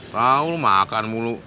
kau makan mulu